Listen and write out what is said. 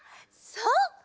そう！